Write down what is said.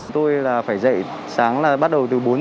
tôi là phải dậy sáng là bắt đầu từ bốn giờ